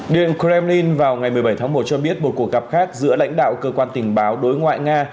điện kremlin vào ngày một mươi bảy tháng một cho biết một cuộc gặp khác giữa lãnh đạo cơ quan tình báo đối ngoại nga